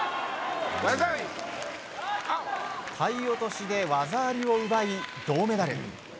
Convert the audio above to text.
体落としで技ありを奪い銅メダル。